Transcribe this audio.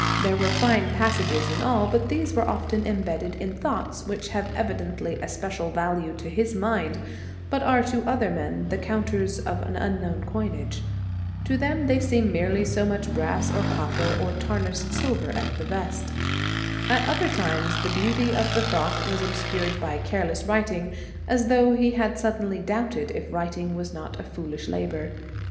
There were fine passages in all, but these were often em bedded in thoughts which have evidently a special value to his mind, but are to other men the counters of an unknown coinage. To them they seem merely so much brass or copper or tarnished silver at the best. At other times the beauty of the thought was obscured by careless writing as though he had suddenly doubted if writing was not a foolish labour.